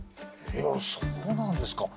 いやそうなんですか。